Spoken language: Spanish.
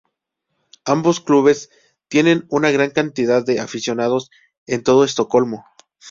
Ambos clubes tienen una gran cantidad de aficionados en todo Estocolmo.